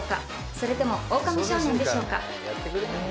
それともオオカミ少年でしょうか？